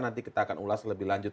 nanti kita akan ulas lebih lanjut